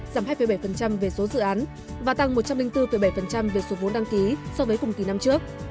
giảm hai bảy về số dự án và tăng một trăm linh bốn bảy về số vốn đăng ký so với cùng kỳ năm trước